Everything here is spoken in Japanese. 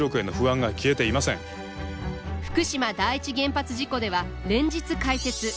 福島第一原発事故では連日解説。